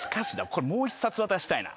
これもう１冊渡したいな。